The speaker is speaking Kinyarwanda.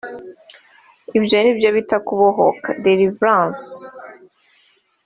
Ibyo ni byo bita kubohoka (delivrance)